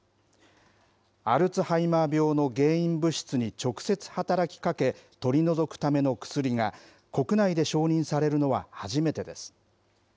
アルツハイマー病の原因物質に直接働きかけ、取り除くための薬が国内で承認されるのは初めてです。